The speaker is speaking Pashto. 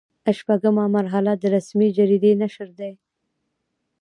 شپږمه مرحله د رسمي جریدې نشر دی.